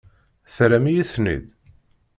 Terram-iyi-ten-id?